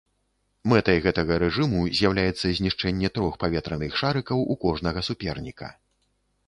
Мэтай гэтага рэжыму з'яўляецца знішчэнне трох паветраных шарыкаў у кожнага суперніка.